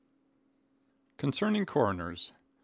Concerning Coroners.